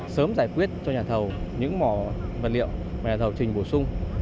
sớm giải quyết cho nhà thầu những mỏ vật liệu mà nhà thầu trình bổ sung